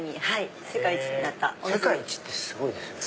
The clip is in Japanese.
すごい！世界１位ってすごいですよね。